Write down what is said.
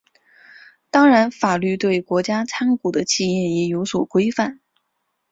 当然法律对国家参股的企业也有所规范。